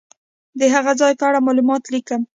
د هغه ځای په اړه معلومات لیکم.